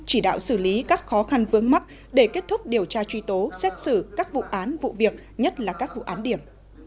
chỉ đạo xử lý các khó khăn vướng mắt để kết thúc điều tra truy tố xét xử các vụ án vụ việc nhất là các vụ án điểm